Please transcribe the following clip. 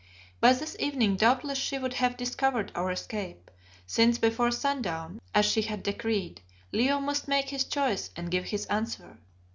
By this evening doubtless she would have discovered our escape, since before sundown, as she had decreed, Leo must make his choice and give his answer.